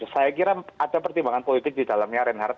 saya kira ada pertimbangan politik di dalamnya reinhardt